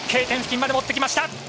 Ｋ点付近までもってきました！